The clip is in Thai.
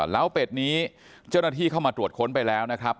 เหล้าเป็ดนี้เจ้าหน้าที่เข้ามาตรวจค้นไปแล้วนะครับ